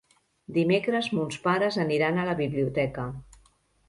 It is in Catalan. Dimecres mons pares aniran a la biblioteca.